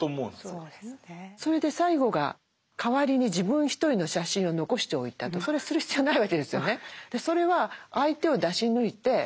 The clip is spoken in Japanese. それで最後が代わりに自分一人の写真を残しておいたとそれする必要ないわけですよね。